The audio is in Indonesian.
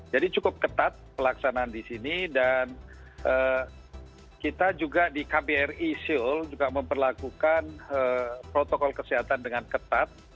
jadi cukup ketat pelaksanaan di sini dan kita juga di kbri seoul juga memperlakukan protokol kesehatan dengan ketat